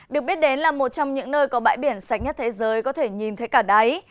được biết đến là một trong những nơi có bãi biển sạch nhất thế giới có thể nhìn thấy cả đáy